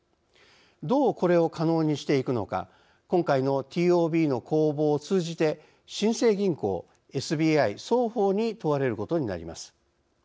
どうこれを可能にしていくのか今回のＴＯＢの攻防を通じて新生銀行・ＳＢＩ双方に問われることになります。